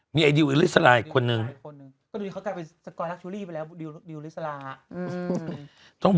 มีไอดิวอิลิซาราอีกคนนึง